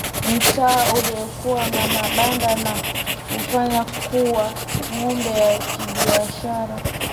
Mtaa uliokuwa wa mabanda na kuufanya kuwa ngome ya kibiashara